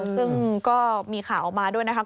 ซึ่งก็มีข่าวออกมาด้วยนะครับ